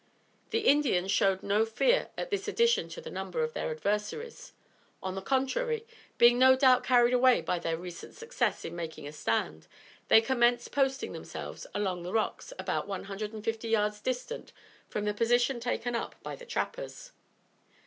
The Indians showed no fear at this addition to the number of their adversaries. On the contrary, being no doubt carried away by their recent success in making a stand, they commenced posting themselves among the rocks about one hundred and fifty yards distant from the position taken up by the trappers.